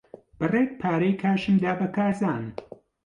بڕێک پارەی کاشم دا بە کارزان.